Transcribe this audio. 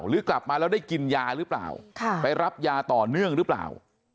หรือกลับมาแล้วได้กินยาหรือเปล่าไปรับยาต่อเนื่องหรือเปล่า